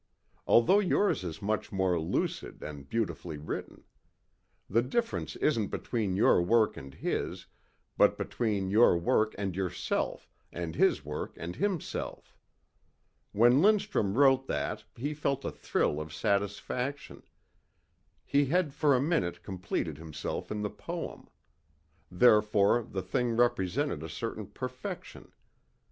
Although yours is much more lucid and beautifully written. The difference isn't between your work and his but between your work and yourself and his work and himself. When Lindstrum wrote that he felt a thrill of satisfaction. He had for a minute completed himself in the poem. Therefore the thing represented a certain perfection.